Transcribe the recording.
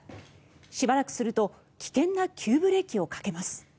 しばらくすると危険な急ブレーキをかけます。